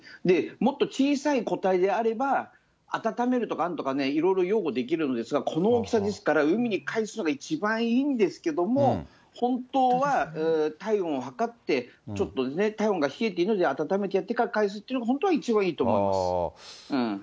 もっと小さい個体であれば、温めるとかなんとかね、いろいろようごできるんですが、この大きさですから、海に帰すのが一番いいんですけれども、本当は体温を測って、ちょっと体温が冷えているのであれば、温めてやってからかえすっていうのが、本当は一番いいと思います。